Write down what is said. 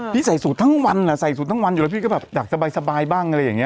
ใส่สูตรทั้งวันใส่สูตรทั้งวันอยู่แล้วพี่ก็แบบอยากสบายบ้างอะไรอย่างนี้